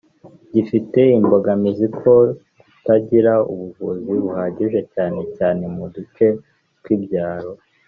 gifite imbogamizi zo kutagira ubuvuzi buhagije cyane cyane mu duce tw’ibyaro